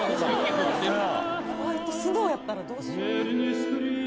ホワイトスノーやったらどうしよう？